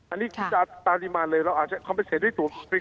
อันนี้ตามริมาณเลยเราอาจจะคอมเพสเซตด้วยตัวฟรี